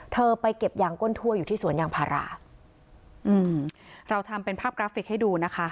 เธอไปเก็บยางก้นถั่วอยู่ที่สวนยางพาราอืมเราทำเป็นภาพกราฟิกให้ดูนะคะ